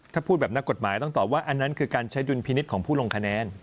ถ้าพูดแบบนักกฎหมายต้องตอบว่าอันนั้นคือการใช้ดุลพินิษฐ์ของผู้ลงคะแนน